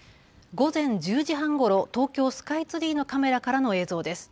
午前１０時半ごろ、東京スカイツリーのカメラからの映像です。